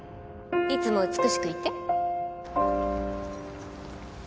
いつも美しくいて。